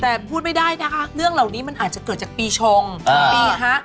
แต่พูดไม่ได้นะคะเรื่องเหล่านี้มันอาจจะเกิดจากปีชงปีฮะ